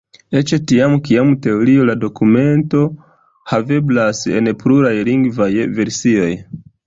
Eĉ tiam, kiam teorie la dokumento haveblas en pluraj lingvaj versioj.